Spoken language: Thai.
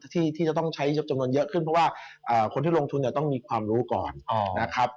ที่จะต้องใช้จำนวนเยอะขึ้นเพราะว่าคนที่ลงทุนจะต้องมีความรู้ก่อนนะครับ